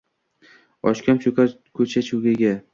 Okshom cho’kar ko’cha-ko’yga